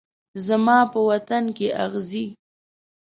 زما په وطن کې اغزي